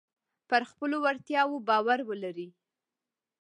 پر خپلو وړتیاو باور ولرئ.